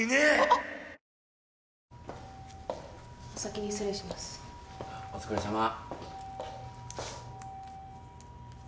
あっお疲れさま。